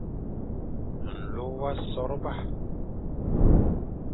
Nlô wa sôrba,